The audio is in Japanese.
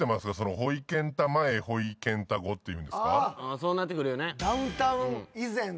そうなってくるよね。